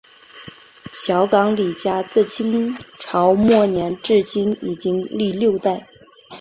小港李家自清朝末年至今已经历六代。